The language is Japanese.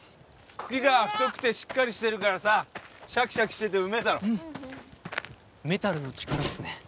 茎が太くてしっかりしてるからさシャキシャキしててうめえだろメタルの力っすね